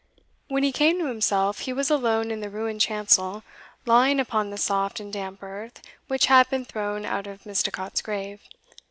When he came to himself, he was alone in the ruined chancel, lying upon the soft and damp earth which had been thrown out of Misticot's grave.